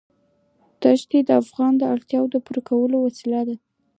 دښتې د افغانانو د اړتیاوو د پوره کولو وسیله ده.